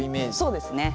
そうですね。